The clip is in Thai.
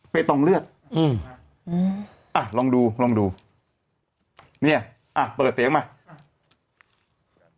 เปรตองเลือดอืมอ่ะลองดูลองดูเนี้ยอ่ะเปิดเสียงมา